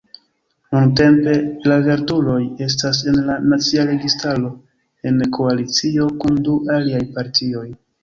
Nuntempe la Verduloj estas en la nacia registaro, en koalicio kun du aliaj partioj.